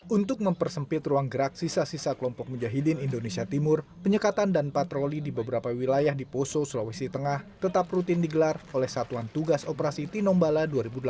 untuk mempersempit ruang gerak sisa sisa kelompok mujahidin indonesia timur penyekatan dan patroli di beberapa wilayah di poso sulawesi tengah tetap rutin digelar oleh satuan tugas operasi tinombala dua ribu delapan belas